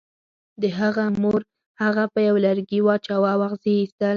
د هغه مور هغه په یوه لرګي واچاو او اغزي یې ایستل